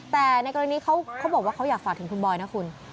แต่ในกรณีเขาบอกว่าเขาอยากฝากถึงคุณบอยนะคุณ